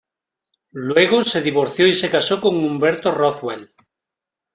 Luego, se divorció y se casó con Umberto Rothwell.